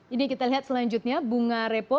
ini kita lihat selanjutnya bunga repo